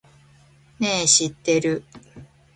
ねぇ、知ってる？